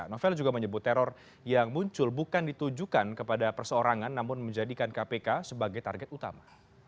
novel juga menyebut teror yang muncul bukan ditujukan kepada perseorangan namun menjadikan kpk sebagai target utama